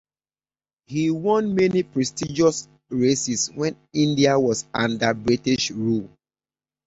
He won many prestigious races when India was under British rule.